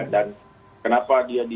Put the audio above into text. dan kenapa dia di